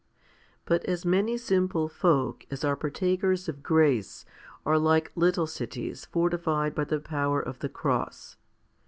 2. But as many simple folk as are partakers of grace are like little cities fortified by the power of the cross.